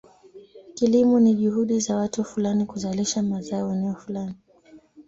Kilimo ni juhudi za watu fulani kuzalisha mazao eneo fulani.